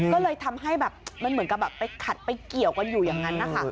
ก็เลยทำให้แบบมันเหมือนกับแบบไปขัดไปเกี่ยวกันอยู่อย่างนั้นนะคะ